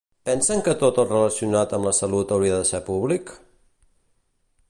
Pensen que tot el relacionat amb la salut hauria de ser públic?